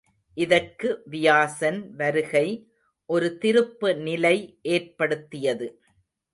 இதற்கு வியாசன் வருகை ஒரு திருப்பு நிலை ஏற்படுத்தியது.